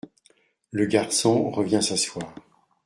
Le garçon revient s’asseoir.